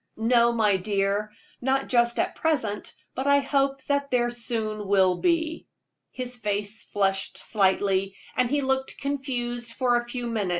"No, my dear not just at present; but I hope that there soon will be." His face flushed slightly, and he looked confused for a few moments.